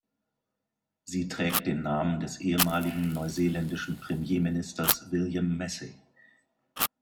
Sie trägt den Namen des ehemaligen neuseeländischen Premierministers William Massey.